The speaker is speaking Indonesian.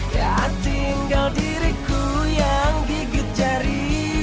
ya tinggal diriku yang gigit jari